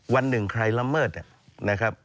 วันหนึ่งใครละเมิด